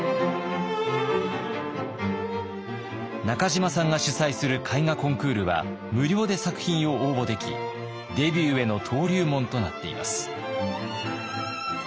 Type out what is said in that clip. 中島さんが主催する絵画コンクールは無料で作品を応募できデビューへの登竜門となっています。